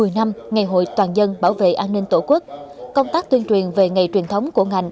một mươi năm ngày hội toàn dân bảo vệ an ninh tổ quốc công tác tuyên truyền về nghề truyền thống của ngành